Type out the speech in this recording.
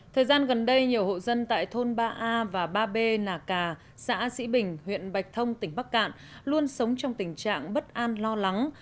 thời gian gần đây nhiều hộ dân tại thôn ba a và ba b nà cà xã sĩ bình huyện bạch thông tỉnh bắc cạn luôn sống trong tình trạng bất an lo lắng